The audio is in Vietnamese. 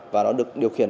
và nó được điều khiển